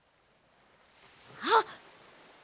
あっ！